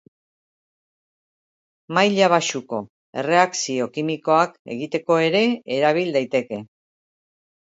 Maila baxuko erreakzio kimikoak egiteko ere erabil daiteke.